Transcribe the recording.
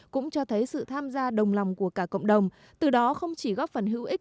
cũng cho thấy sự tham gia đồng lòng của cả cộng đồng từ đó không chỉ góp phần hữu ích